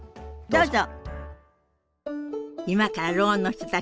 どうぞ。